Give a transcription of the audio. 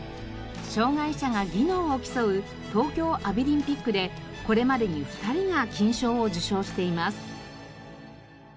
障がい者が技能を競う東京アビリンピックでこれまでに２人が金賞を受賞しています。